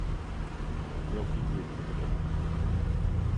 Realty Group Limited.